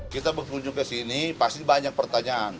kita berkunjung ke sini pasti banyak pertanyaan